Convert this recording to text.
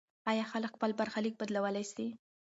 آیا خلک خپل برخلیک بدلولی سي؟